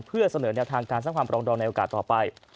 เพื่อเสนอแนวทางการสร้างความปรองดองในโอกาสต่อไป